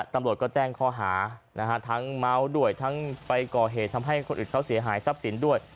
ตำรวจก็แจ้งข้อหาทั้งเมาด้วยทั้งไปก่อเหตุทำให้คนอื่นเขาเสียหายทรัพย์สินด้วย